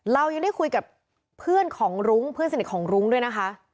เรายังได้คุยกับเพื่อนของรุ้งเพื่อนสนิทของรุ้งด้วยนะคะ